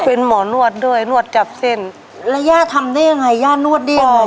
เป็นหมอนวดด้วยนวดจับเส้นแล้วย่าทำได้ยังไงย่านวดได้ยังไง